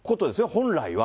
本来は。